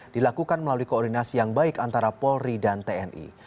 dilakukan melalui koordinasi yang baik antara polri dan tni